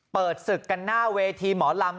เปิดศึกกันหน้าเวทีหมอลำ